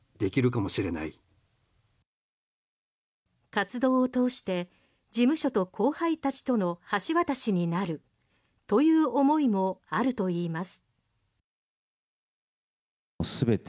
活動を通して、事務所と後輩たちとの橋渡しになるという思いもあるといいます。